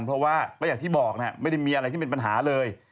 เพราะว่าก็อย่างที่บอกไม่ได้มีอะไรที่เป็นปัญหาเลย